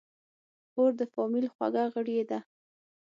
خور د فامیل خوږه غړي ده.